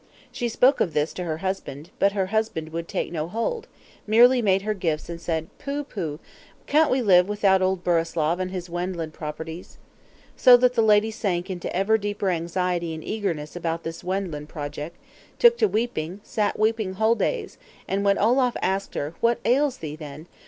She spoke of this to her husband; but her husband would take no hold, merely made her gifts, and said, "Pooh, pooh, can't we live without old Burislav and his Wendland properties?" So that the lady sank into ever deeper anxiety and eagerness about this Wendland object; took to weeping; sat weeping whole days; and when Olaf asked, "What ails thee, then?"